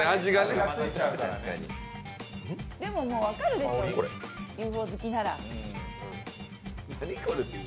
でも、もう分かるでしょ、Ｕ．Ｆ．Ｏ好きなら。